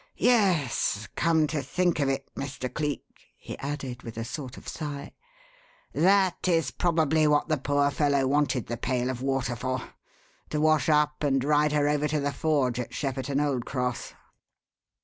Yes, come to think of it, Mr. Cleek," he added with a sort of sigh, "that is probably what the poor fellow wanted the pail of water for: to wash up and ride her over to the forge at Shepperton Old Cross."